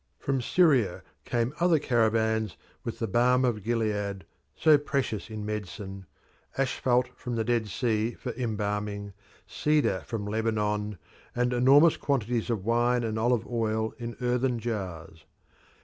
From Syria came other caravans with the balm of Gilead, so precious in medicine, asphalt from the Dead Sea for embalming, cedar from Lebanon, and enormous quantities of wine and olive oil in earthen jars.